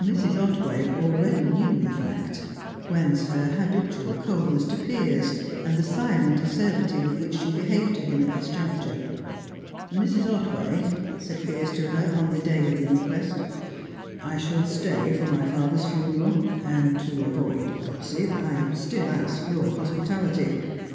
Mrs. Otway already knew the fact; whence her habitual coldness to Piers, and the silent acerbity with which she behaved to him at this juncture. "Mrs. Otway," said Piers to her, on the day of the inquest, "I shall stay for my father's funeral, and to avoid gossip I still ask your hospitality.